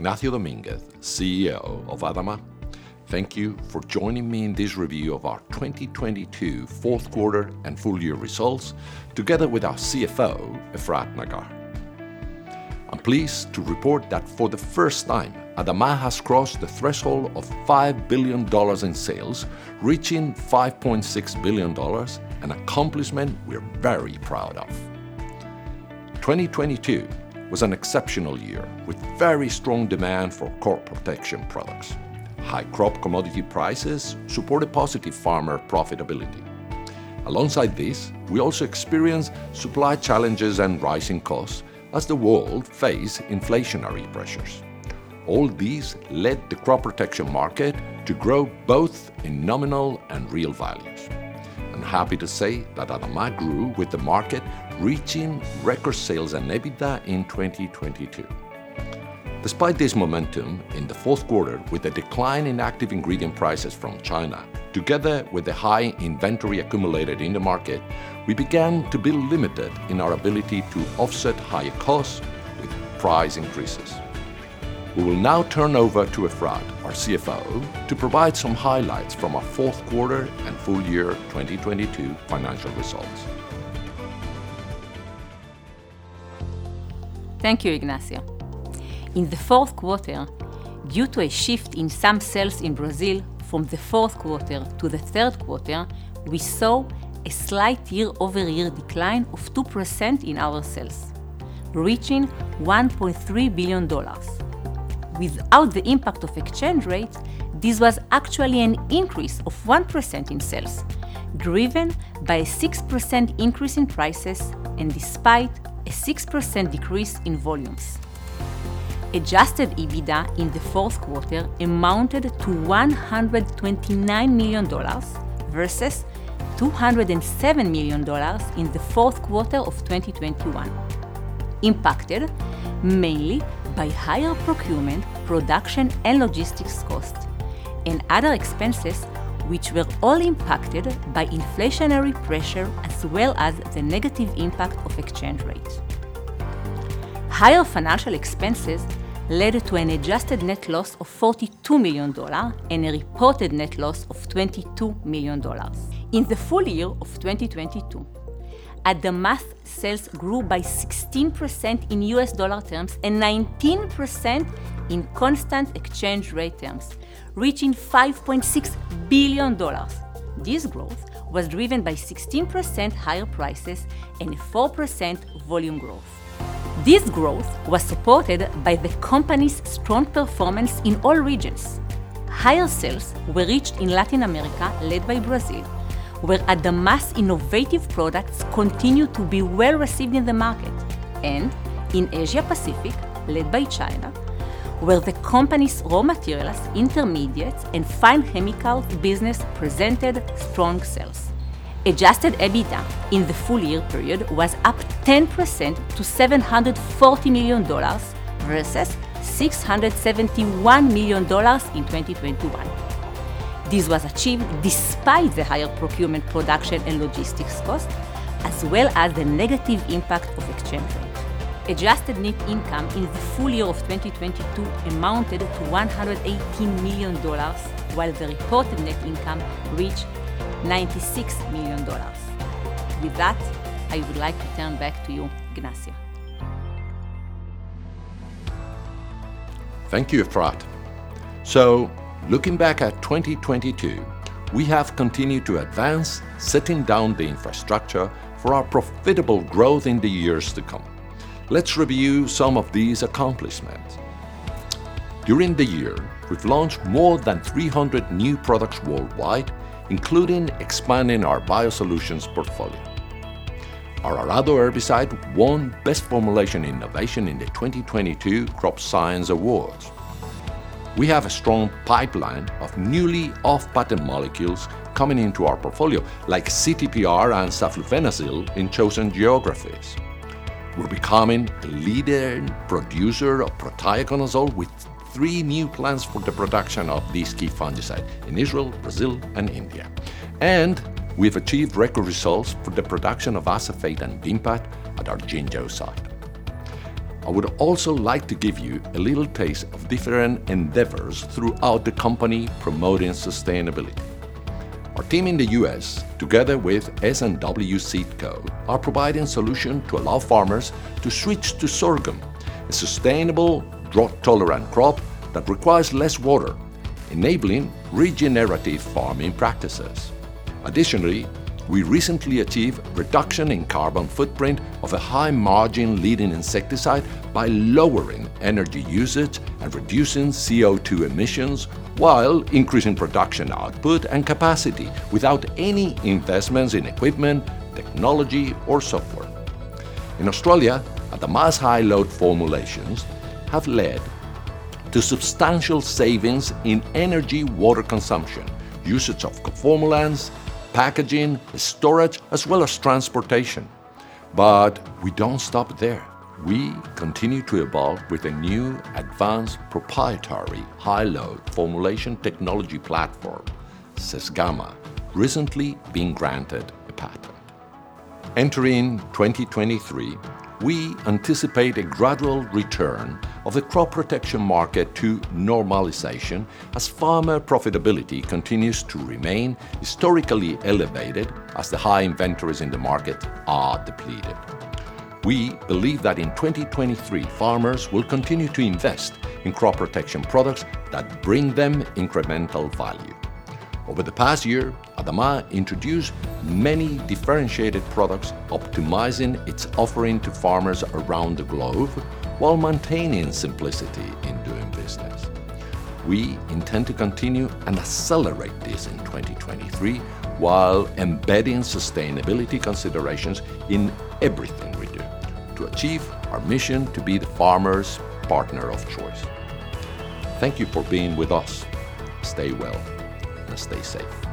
Ignacio Dominguez, CEO of ADAMA. Thank you for joining me in this review of our 2022 fourth quarter and full year results together with our CFO, Efrat Nagar. I'm pleased to report that for the first time, ADAMA has crossed the threshold of $5 billion in sales, reaching $5.6 billion, an accomplishment we're very proud of. 2022 was an exceptional year with very strong demand for crop protection products. High crop commodity prices supported positive farmer profitability. Alongside this, we also experienced supply challenges and rising costs as the world faced inflationary pressures. All these led the crop protection market to grow both in nominal and real values. I'm happy to say that ADAMA grew with the market, reaching record sales and EBITDA in 2022. Despite this momentum in the fourth quarter with a decline in active ingredient prices from China, together with the high inventory accumulated in the market, we began to be limited in our ability to offset higher costs with price increases. We will now turn over to Efrat, our CFO, to provide some highlights from our fourth quarter and full year 2022 financial results. Thank you, Ignacio. In the fourth quarter, due to a shift in some sales in Brazil from the fourth quarter to the third quarter, we saw a slight year-over-year decline of 2% in our sales, reaching $1.3 billion. Without the impact of exchange rates, this was actually an increase of 1% in sales, driven by a 6% increase in prices and despite a 6% decrease in volumes. Adjusted EBITDA in the fourth quarter amounted to $129 million versus $207 million in the fourth quarter of 2021, impacted mainly by higher procurement, production, and logistics costs and other expenses which were all impacted by inflationary pressure as well as the negative impact of exchange rates. Higher financial expenses led to an adjusted net loss of $42 million and a reported net loss of $22 million. In the full year of 2022, ADAMA sales grew by 16% in U.S. dollar terms and 19% in constant exchange rate terms, reaching $5.6 billion. This growth was driven by 16% higher prices and 4% volume growth. This growth was supported by the company's strong performance in all regions. Higher sales were reached in Latin America, led by Brazil, where ADAMA's innovative products continue to be well-received in the market, and in Asia Pacific, led by China, where the company's raw materials, intermediates, and fine chemical business presented strong sales. Adjusted EBITDA in the full year period was up 10% to $740 million versus $671 million in 2021. This was achieved despite the higher procurement, production, and logistics costs as well as the negative impact of exchange rate. Adjusted net income in the full year of 2022 amounted to $118 million, while the reported net income reached $96 million. With that, I would like to turn back to you, Ignacio. Thank you, Efrat. Looking back at 2022, we have continued to advance setting down the infrastructure for our profitable growth in the years to come. Let's review some of these accomplishments. During the year, we've launched more than 300 new products worldwide, including expanding our biosolutions portfolio. Our Araddo herbicide won Best Formulation Innovation in the 2022 Crop Science Awards. We have a strong pipeline of newly off-patent molecules coming into our portfolio, like CTPR and saflufenacil in chosen geographies. We're becoming a leader and producer of prothioconazole with three new plants for the production of this key fungicide in Israel, Brazil, and India. We've achieved record results for the production of acephate and vinclozolin at our Jinzhou site. I would also like to give you a little taste of different endeavors throughout the company promoting sustainability. Our team in the U.S., together with S&W Seed Co., are providing solution to allow farmers to switch to sorghum, a sustainable drought-tolerant crop that requires less water, enabling regenerative farming practices. Additionally, we recently achieved reduction in carbon footprint of a high margin leading insecticide by lowering energy usage and reducing CO2 emissions while increasing production output and capacity without any investments in equipment, technology, or software. In Australia, ADAMA's high-load formulations have led to substantial savings in energy, water consumption, usage of co-formulants, packaging, storage, as well as transportation. We don't stop there. We continue to evolve with a new advanced proprietary high-load formulation technology platform, SESGAMA, recently being granted a patent. Entering 2023, we anticipate a gradual return of the crop protection market to normalization as farmer profitability continues to remain historically elevated as the high inventories in the market are depleted. We believe that in 2023, farmers will continue to invest in crop protection products that bring them incremental value. Over the past year, ADAMA introduced many differentiated products, optimizing its offering to farmers around the globe while maintaining simplicity in doing business. We intend to continue and accelerate this in 2023 while embedding sustainability considerations in everything we do to achieve our mission to be the farmer's partner of choice. Thank you for being with us. Stay well and stay safe.